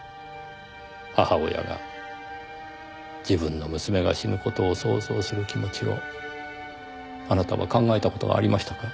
母親が自分の娘が死ぬ事を想像する気持ちをあなたは考えた事がありましたか？